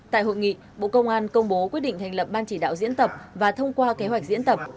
tại hội nghị bộ công an công bố quyết định thành lập ban chỉ đạo diễn tập và thông qua kế hoạch diễn tập